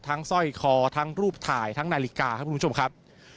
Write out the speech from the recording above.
สร้อยคอทั้งรูปถ่ายทั้งนาฬิกาครับคุณผู้ชมครับ